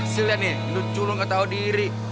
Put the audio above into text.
siliah nih itu culung ga tau diri